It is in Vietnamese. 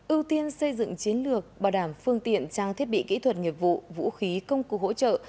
ưu tiên xây dựng chiến lược bảo đảm phương tiện trang thiết bị kỹ thuật nghiệp vụ vũ khí công cụ hỗ trợ